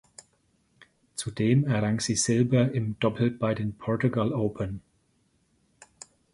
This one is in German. Zudem errang sie Silber im Doppel bei den Portugal Open.